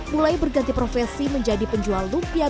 mulai berganti profesi menjadi penjual lumpiade